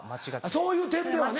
そういう点ではね。